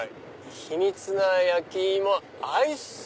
「秘蜜な焼き芋アイス」！